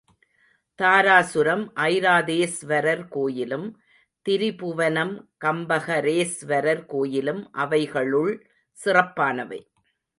தாராசுரம் ஐராதேஸ்வரர் கோயிலும், திரிபுவனம் கம்பஹரேஸ்வரர் கோயிலும் அவைகளுள் சிறப்பானவை.